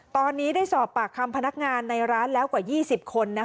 ตอนนี้ได้สอบปากคำพนักงานในร้านแล้วกว่า๒๐คน